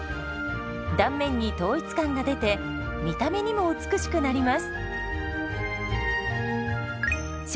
断面に統一感が出て見た目にも美しくなります。